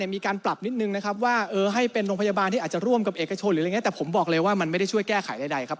มีการปรับนิดนึงนะครับว่าให้เป็นโรงพยาบาลที่อาจจะร่วมกับเอกชนหรืออะไรอย่างนี้แต่ผมบอกเลยว่ามันไม่ได้ช่วยแก้ไขใดครับ